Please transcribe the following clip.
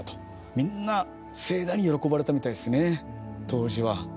みんな盛大に喜ばれたみたいですね当時は。